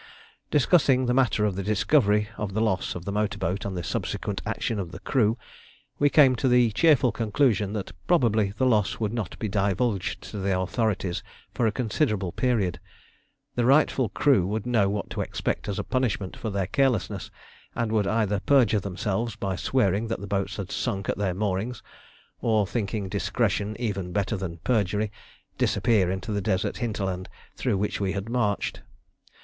Discussing the matter of the discovery of the loss of the motor boat and the subsequent action of the crew, we came to the cheerful conclusion that probably the loss would not be divulged to the authorities for a considerable period. The rightful crew would know what to expect as a punishment for their carelessness, and would either perjure themselves by swearing that the boats had sunk at their moorings, or thinking discretion even better than perjury, disappear into the deserted hinterland through which we had marched.